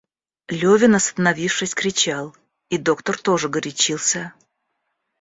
Левин, остановившись, кричал, и доктор тоже горячился.